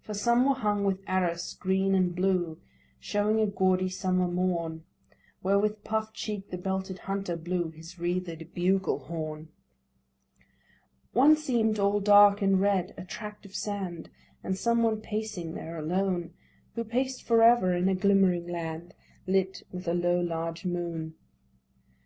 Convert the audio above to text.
For some were hung with arras green and blue, Showing a gaudy summer morn, Where with puff'd cheek the belted hunter blew His wreathed bugle horn. One seem'd all dark and red â a tract of sand, And some one pacing there alone, Who paced for ever in a glimmering land, Lit with a low large moon.